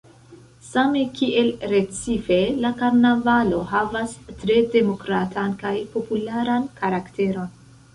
Same kiel Recife la karnavalo havas tre demokratan kaj popularan karakteron.